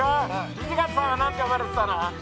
土方さんは何て呼ばれてたの？